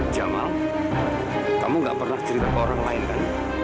jamal kamu gak pernah cerita ke orang lain kan